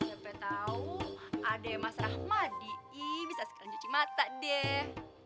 aku tahu ada yang masih rahmadi bisa sekalian cuci mata deh